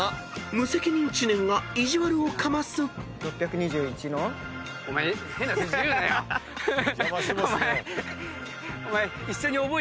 ［無責任知念が意地悪をかます］邪魔してますね。